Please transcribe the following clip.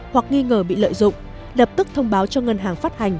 hoặc nghi ngờ bị lợi dụng lập tức thông báo cho ngân hàng phát hành